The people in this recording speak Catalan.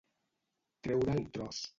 Treure el tros.